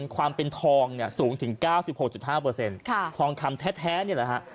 ความเป็นทองเนี่ยสูงถึง๙๖๕ทองคำแท้นี่แหละฮะ